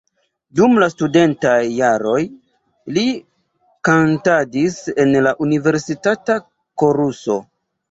Dum la studentaj jaroj li kantadis en la universitata koruso.